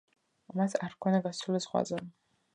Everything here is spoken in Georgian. მას არ ჰქონდა გასასვლელი ზღვაზე.